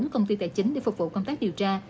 bốn công ty tài chính để phục vụ công tác điều tra